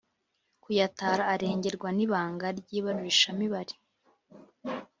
kuyatara arengerwa n ‘ibanga ry’ ibarurishamibare .